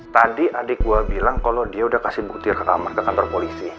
tadi adik gue bilang kalau dia udah kasih bukti ke kamar ke kantor polisi